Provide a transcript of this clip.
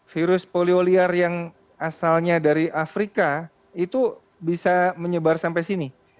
virus polioliar yang asalnya dari afrika itu bisa menyebar sampai sini